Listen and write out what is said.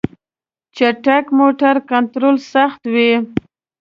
چټک موټر کنټرول سخت وي.